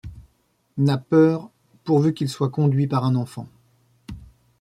N'a peur, pourvu qu'il soit conduit par un enfant.